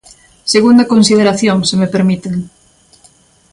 Segunda consideración, se me permiten.